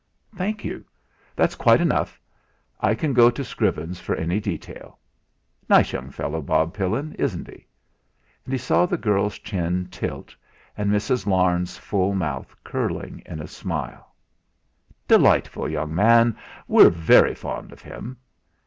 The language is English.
"Thank you; that's quite enough. I can go to Scrivens for any detail. Nice young fellow, Bob Pillin, isn't he?" He saw the girl's chin tilt, and Mrs. Larne's full mouth curling in a smile. "Delightful young man; we're very fond of him."